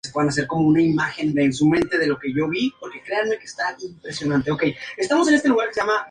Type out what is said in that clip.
Como resultado, Al-Alsun se convirtió en el núcleo precursor del primer museo arqueológico egipcio.